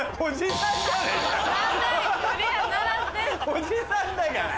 おじさんだから。